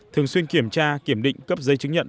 thường xuyên kiểm tra kiểm định cấp giấy chứng nhận